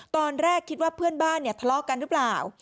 ตอนแรกคิดว่าเพื่อนบ้านเนี่ยทะเลาะกันหรือเปล่า